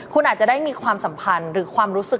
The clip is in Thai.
คุณอาจจะได้มีความสัมพันธ์หรือความรู้สึก